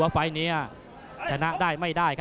เผ่าฝั่งโขงหมดยก๒